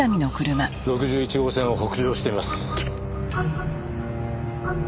６１号線を北上しています。